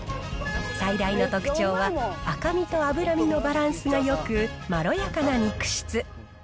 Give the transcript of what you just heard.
最大の特徴は、赤身と脂身のバランスがよく、まろやかな肉質。